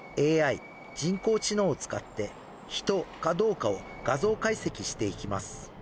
ＡＩ・人工知能を使って人かどうかを画像解析していきます。